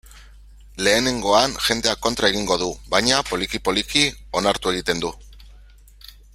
Lehenengoan, jendeak kontra egingo du, baina, poliki-poliki, onartu egiten du.